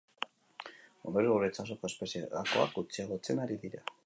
Ondorioz, gure itsasoko espezie gakoak gutxiagotzen ari dira.